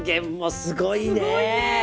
すごいね！